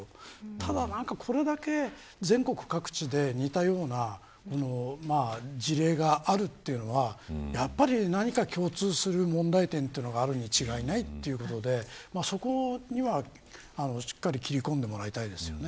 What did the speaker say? ただ、これだけ全国各地で似たような事例があるというのは何か共通する問題点があるに違いないということでそこには、しっかり切り込んでもらいたいですね。